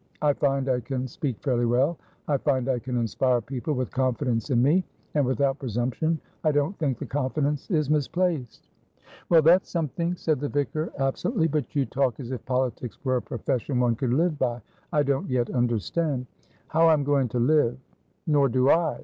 I find I can speak fairly well; I find I can inspire people with confidence in me. And, without presumption, I don't think the confidence is misplaced." "Well, that's something," said the vicar, absently. "But you talk as if politics were a profession one could live by. I don't yet understand" "How I'm going to live. Nor do I.